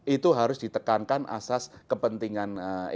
itu harus ditekankan asas kepentingan